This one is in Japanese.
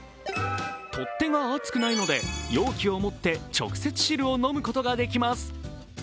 取っ手が熱くないので容器を持って直接、汁を飲むことができます。